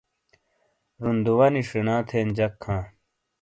روندوانی شینا تھین جک ھاں